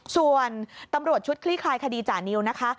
ส่วนตำรวจชุดคลี่คลายคดีจานิวนะคะ